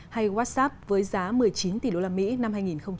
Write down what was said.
hay whatsapp với giá một mươi chín tỷ usd năm hai nghìn một mươi chín